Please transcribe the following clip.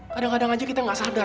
kadang kadang aja kita nggak sadar